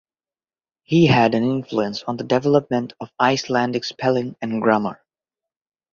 He had an influence on the development of Icelandic spelling and grammar.